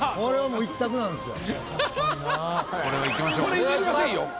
これ譲りませんよ。